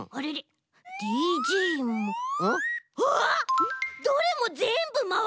あっどれもぜんぶまわるものだ！